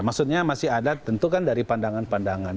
maksudnya masih ada tentu kan dari pandangan pandangan